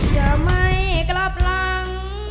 อย่าไม่กลับหลัง